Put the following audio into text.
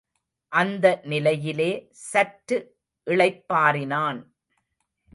அந்த நிலையிலே சற்று இளைப்பாறினான்.